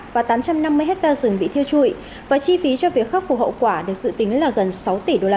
và tám trăm năm mươi hectare rừng bị thiêu trụi và chi phí cho việc khắc phục hậu quả được dự tính là gần sáu tỷ usd